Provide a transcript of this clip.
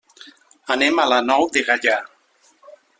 Anem a la Nou de Gaià.